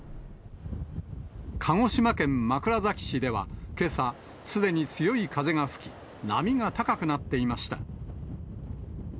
鹿児島県枕崎市ではけさ、すでに強い風が吹き、波が高くなっていました。